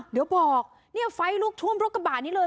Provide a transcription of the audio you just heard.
เดี๋ยวบอกเนี่ยไฟลุกท่วมรถกระบาดนี้เลย